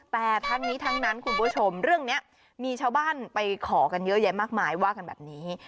แต่ทั้งนี้ทั้งนั้นคุณผู้ชมเรื่องนี้มีชาวบ้านไปขอกันเยอะแยะมากมายว่ากันแบบนี้